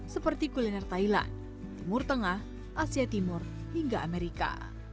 seperti kuliner thailand timur tengah asia timur hingga amerika